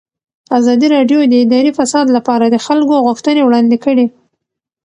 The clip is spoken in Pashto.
ازادي راډیو د اداري فساد لپاره د خلکو غوښتنې وړاندې کړي.